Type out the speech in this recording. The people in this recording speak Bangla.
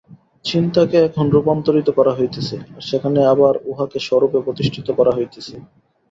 চিন্তাকে এখন রূপান্তরিত করা হইতেছে, আর সেখানে আবার উহাকে স্বরূপে প্রতিষ্ঠিত করা হইতেছে।